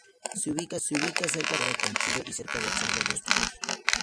Se ubica cerca de la frontera con Chile y cerca del cerro Dos Picos.